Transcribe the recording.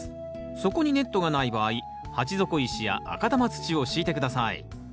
底にネットがない場合鉢底石や赤玉土を敷いて下さい。